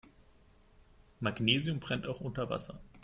Magnesium brennt auch unter Wasser.